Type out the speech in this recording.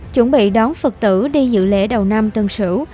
chuẩn bị đón phật tử đi dự lễ đầu năm tân sửu